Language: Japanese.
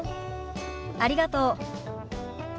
ありがとう。